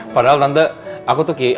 padahal tante aku tuh kayak